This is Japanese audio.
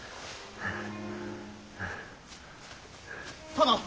殿！